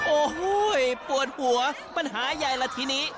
โอ้โหปวดหัวปัญหาใหญ่ละทีนี้